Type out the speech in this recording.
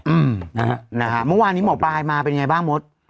อืมนะฮะนะฮะเมื่อวานนี้หมอปลายมาเป็นยังไงบ้างมด